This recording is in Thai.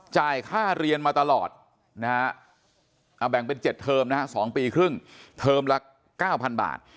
จ่ายค่าเรียนมาตลอดนะฮะแบ่งเป็น๗เทอมนะฮะ๒ปีครึ่งเทอมละ๙๐๐บาท